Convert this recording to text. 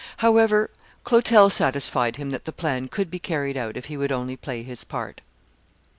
However, Clotel satisfied him that the plan could be carried out if he would only play his part.